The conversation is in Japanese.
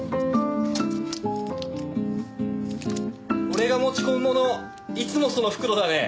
俺が持ち込むものいつもその袋だね。